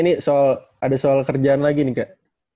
ini ada soal kerjaan lagi nih kak